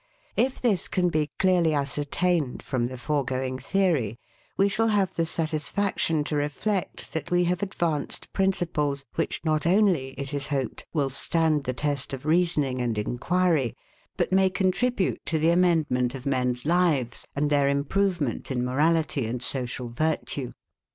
If this can be clearly ascertained from the foregoing theory, we shall have the satisfaction to reflect, that we have advanced principles, which not only, it is hoped, will stand the test of reasoning and inquiry, but may contribute to the amendment of men's lives, and their improvement in morality and social virtue.